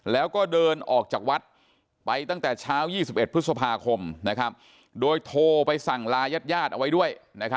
แล้วก็เดินออกจากวัดไปตั้งแต่เช้า๒๑พฤษภาคมโดยโทรไปสั่งลายาดเอาไว้ด้วย